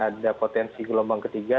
ada potensi gelombang ketiga